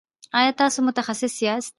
ایا تاسو متخصص یاست؟